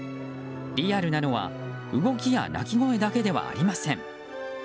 リアルなのは動きや鳴き声だけではありません。